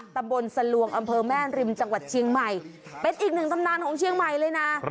ตำบลสลวงอำเภอแม่ริมจังหวัดเชียงใหม่เป็นอีกหนึ่งตำนานของเชียงใหม่เลยนะ